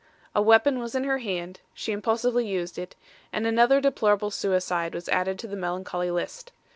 A weapon was in her hand she impulsively used it, and another deplorable suicide was added to the melancholy list.